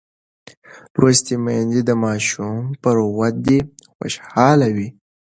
لوستې میندې د ماشوم پر ودې خوشحاله وي.